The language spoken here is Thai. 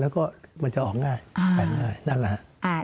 แล้วก็มันจะออกง่ายนั่นแหละ